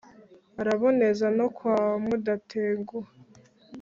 araboneza no kwa mudatenguha,